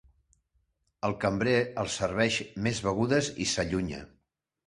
El cambrer els serveix més begudes i s'allunya.